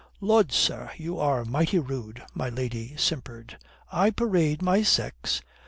"Lud, sir, you are mighty rude," my lady simpered. "I parade my sex?